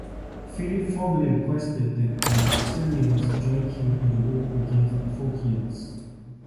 Philip formally requested that the Thessalians join him in the war against the Phocians.